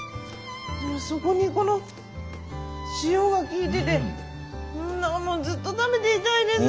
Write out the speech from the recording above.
そこにこの塩が利いててずっと食べていたいです！